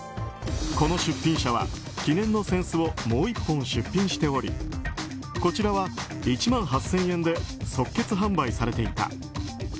この出品者は記念の扇子をもう１本出品しておりこちらは１万８０００円で即決販売されていた。